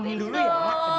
makan dulu ya